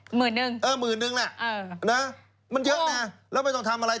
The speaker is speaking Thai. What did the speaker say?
หมื่นหนึ่งน่ะมันเยอะน่ะแล้วไม่ต้องทำอะไร